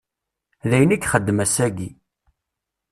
D ayen i ixeddem ass-agi.